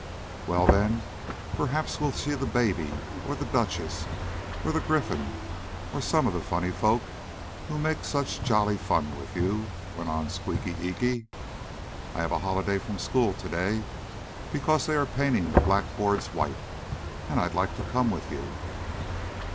"Well, then, perhaps we'll see the Baby or the Duchess, or the Gryphon or some of the funny folk who make such jolly fun with you," went on Squeaky Eeky. "I have a holiday from school today, because they are painting the blackboards white, and I'd like to come with you."